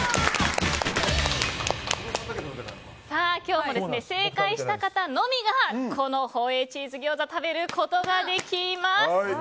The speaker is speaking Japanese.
今日も正解した方のみがこの宝永チーズ餃子を食べることができます。